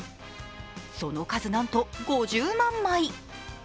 その数なんと５０万枚。